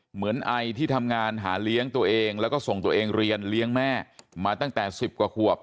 เหมือนไอที่ทำงานหาเลี้ยงตัวเองแล้วก็ส่งตัวเองเรียนเลี้ยงแม่มาตั้งแต่๑๐กว่าขวบ